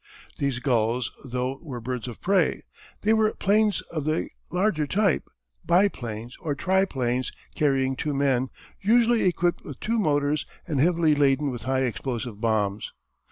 These gulls though were birds of prey. They were planes of the larger type, biplanes or triplanes carrying two men, usually equipped with two motors and heavily laden with high explosive bombs.